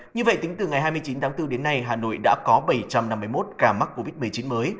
như vậy tính từ ngày hai mươi chín tháng bốn đến nay hà nội đã có bảy trăm năm mươi một ca mắc covid một mươi chín mới